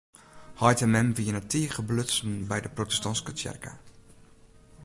Heit en mem wiene tige belutsen by de protestantske tsjerke.